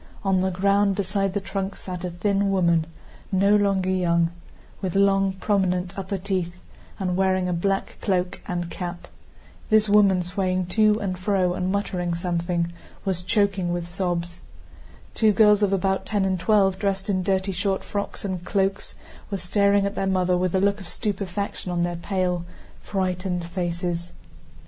On the ground, beside the trunks, sat a thin woman no longer young, with long, prominent upper teeth, and wearing a black cloak and cap. This woman, swaying to and fro and muttering something, was choking with sobs. Two girls of about ten and twelve, dressed in dirty short frocks and cloaks, were staring at their mother with a look of stupefaction on their pale frightened faces.